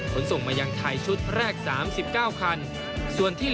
ผลส่งมายังถ่ายชุดแรก๓๙คัน